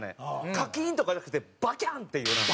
「カキーン！」とかじゃなくて「バキャン！」っていう。